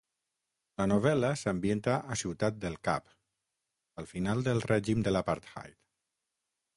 La novel·la s'ambienta a Ciutat del Cap al final del règim de l'apartheid.